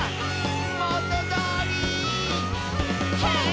「もとどおり」「ヘイ！」